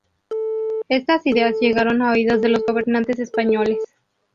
Estas ideas llegaron a oídos de los gobernantes españoles.